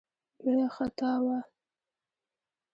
لویه خطا وه.